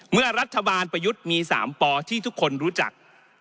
เมื่อรัฐบาลประยุทธ์มี๓ปที่ทุกคนรู้จัก